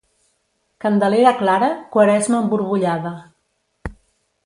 Candelera clara, Quaresma emborbollada.